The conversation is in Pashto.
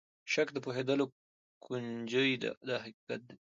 شک د پوهېدلو کونجۍ ده دا حقیقت دی.